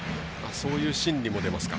そういう心理も出ますか。